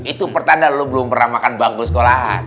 itu pertanda lo belum pernah makan bangun sekolahan